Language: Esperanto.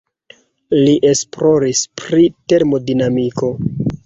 Li esploris pri termodinamiko.